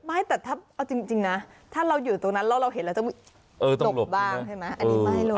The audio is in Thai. ไม่แต่จริงนะถ้าเราอยู่ตรงนั้นเราเห็นแล้วจะหลบบ้างใช่ไหม